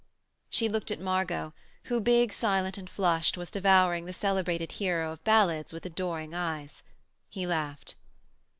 She looked at Margot, who, big, silent and flushed, was devouring the celebrated hero of ballads with adoring eyes. He laughed.